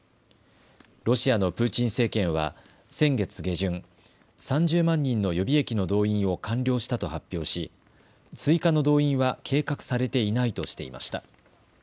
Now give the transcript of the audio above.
ロシアのプーチン政権は先月下旬、３０万人の予備役の動員を完了したと発表し、追加の動員は計画されていないとしていました。